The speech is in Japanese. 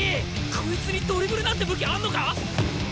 こいつにドリブルなんて武器あんのか！？